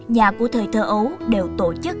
nhà của thời thơ ấu đều tổ chức